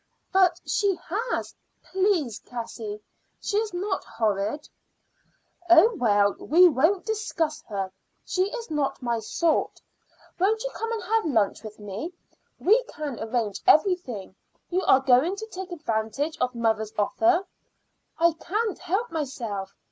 "But she has." "Please, Cassie, she is not horrid." "Oh, well, we won't discuss her. She is not my sort. Won't you come and have lunch with me, and we can arrange everything? You are going to take advantage of mother's offer?" "I can't help myself.